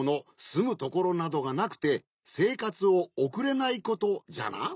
すむところなどがなくてせいかつをおくれないことじゃな。